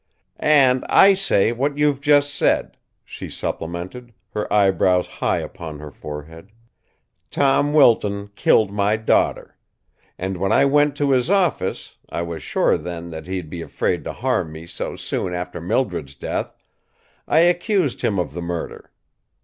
"And I say what you've just said!" she supplemented, her eyebrows high upon her forehead. "Tom Wilton killed my daughter. And, when I went to his office I was sure then that he'd be afraid to harm me so soon after Mildred's death I accused him of the murder.